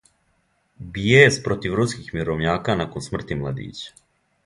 Бијес против руских мировњака након смрти младића